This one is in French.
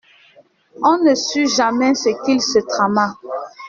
On ne sut jamais ce qu’il se trama.